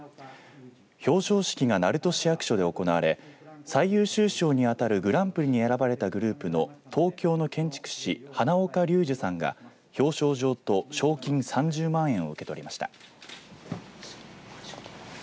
表彰式が鳴門市役所で行われ最優秀賞にあたるグランプリに選ばれたグループの東京の建築士、花岡竜樹さんが表彰状と賞金３０万円を受け取りました。